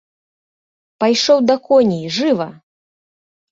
Пайшоў да коней, жыва!